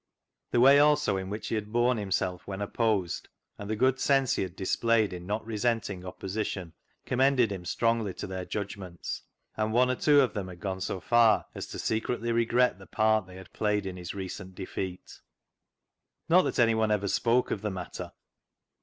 The way also in which he had borne himself when opposed, and the good sense he had displayed in not resenting opposition, commended him strongly to their judgments, and one or two of them had gone so far as to secretly regret the part they had played in his recent defeat. Not that anyone ever spoke of the matter.